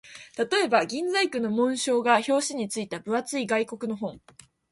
例えば、銀細工の紋章が表紙に付いた分厚い外国の本